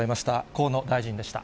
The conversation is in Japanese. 河野大臣でした。